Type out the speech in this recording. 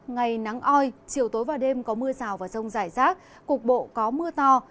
ngày nắng oi chiều tối và đêm có mưa rào và rông dài rác cuộc bộ có mưa to